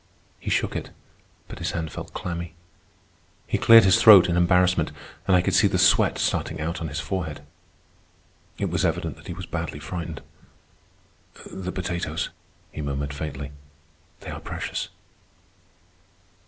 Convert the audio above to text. He shook it, but his hand felt clammy. He cleared his throat in embarrassment, and I could see the sweat starting out on his forehead. It was evident that he was badly frightened. "The potatoes," he murmured faintly. "They are precious."